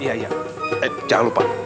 iya iya eh jangan lupa